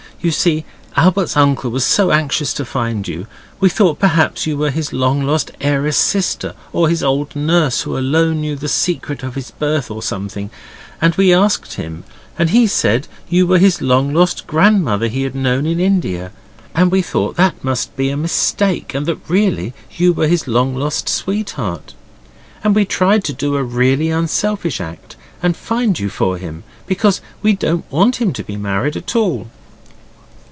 You see, Albert's uncle was so anxious to find you, we thought perhaps you were his long lost heiress sister or his old nurse who alone knew the secret of his birth, or something, and we asked him, and he said you were his long lost grandmother he had known in India. And we thought that must be a mistake and that really you were his long lost sweetheart. And we tried to do a really unselfish act and find you for him. Because we don't want him to be married at all.